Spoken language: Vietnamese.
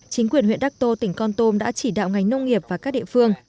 chính quyền huyện đắc tô tỉnh con tôm đã chỉ đạo ngành nông nghiệp và các địa phương